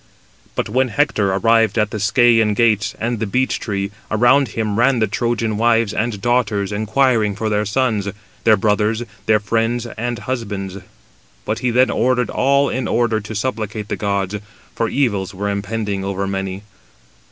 But when Hector arrived at the Scæan gates and the beech tree, around him ran the Trojan wives and daughters inquiring for their sons, their brothers, their friends, and husbands. But he then ordered all in order to supplicate the gods, for evils were impending over many.